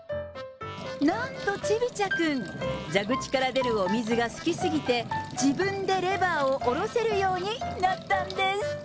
なんとチビ茶くん、蛇口から出るお水が好きすぎて、自分でレバーを下せるようになったんです。